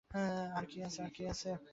আর কী আছে?